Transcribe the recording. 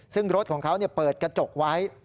ซึ่งรถของเขาเปิดกระจกไว้